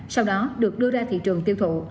sau đó được đưa ra thị trường tiêu thụ